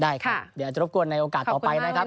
เดี๋ยวจะรบกวนในโอกาสต่อไปนะครับ